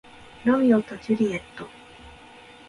ロミオとジュリエット